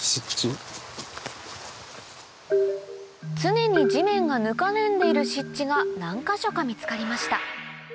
常に地面がぬかるんでいる湿地が何か所か見つかりました